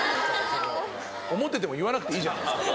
思ってても言わなくていいじゃないですか。